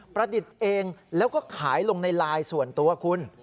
ประดิษฐ์เองแล้วก็ขายลงในไลน์ส่วนตัวคุณ